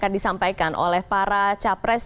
disampaikan oleh para capres